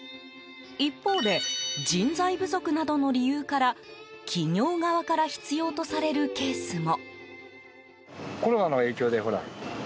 一方で、人材不足などの理由から企業側から必要とされるケースも。